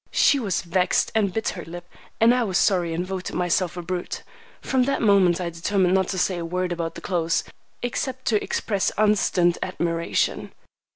She was vexed and bit her lip, and I was sorry and voted myself a brute. From that moment, I determined not to say a word about the clothes, except to express unstinted admiration.